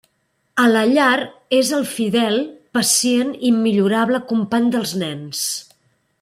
A la llar és el fidel, pacient i immillorable company dels nens.